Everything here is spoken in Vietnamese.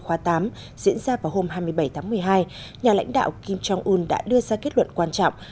khóa tám diễn ra vào hôm hai mươi bảy tháng một mươi hai nhà lãnh đạo kim jong un đã đưa ra kết luận quan trọng